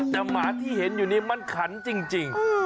แต่หมาที่เห็นอยู่นี้มันขันจริง